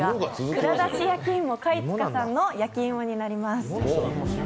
蔵出し焼き芋かいつかの焼きいもになります。